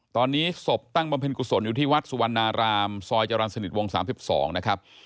ตอนนี้ศพตั้งบำเพ็ญกุศลอยู่ที่วัดสุวรรณารามซอยจรรย์สนิทวง๓๒นะครับ